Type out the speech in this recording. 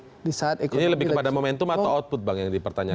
jadi lebih kepada momentum atau output yang dipertanyakan